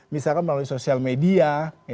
misalkan melalui sosial media